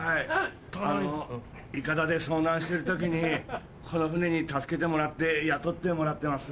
あのイカダで遭難してる時にこの船に助けてもらって雇ってもらってます。